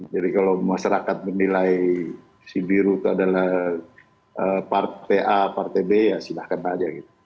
jadi kalau masyarakat menilai sibiru itu adalah partai a partai b ya silahkan saja